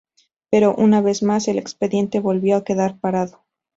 Pero, una vez más, el expediente volvió a quedar parado.